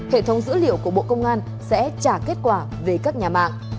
hệ thống dữ liệu của bộ công an sẽ trả kết quả về các nhà mạng